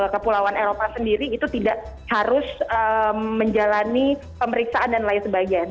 kepulauan eropa sendiri itu tidak harus menjalani pemeriksaan dan lain sebagainya